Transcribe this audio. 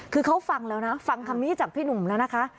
คือเขาฟังแล้วนะฟังคำนี้จากพี่หนุ่มแล้วนะคะ